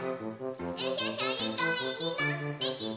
「うひゃひゃゆかいになってきた」